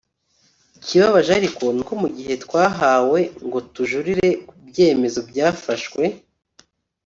Ikibabaje ariko ni uko mu gihe twahawe ngo tujurire ku byemezo byafashwe